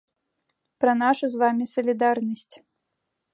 Пра нашу з вамі салідарнасць.